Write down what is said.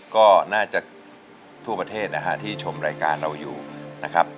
ก็น่าจะทั่วประเทศนะฮะที่ชมรายการเราอยู่นะครับ